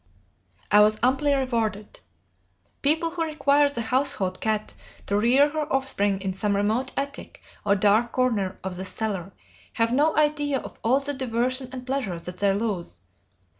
"I was amply rewarded. People who require the household cat to rear her offspring in some remote attic or dark corner of the cellar have no idea of all the diversion and pleasure that they lose.